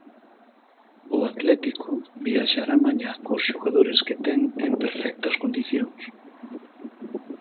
O Atlético viaxará mañá cos xogadores que ten en perfectas condicións.